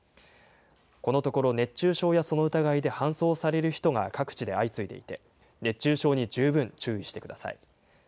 このところ熱中症やその疑いで搬送される人が各地で相次いでいて、熱中症に十分注意してください。